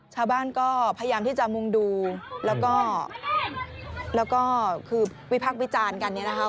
ชาวบ้านก็พยายามที่จะมุ่งดูแล้วก็คือวิพักษ์วิจารณ์กันเนี่ยนะคะ